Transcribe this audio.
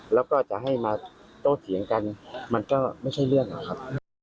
แล้วก็จะให้มาโต้เถียงกันมันก็ไม่ใช่เรื่องนะครับ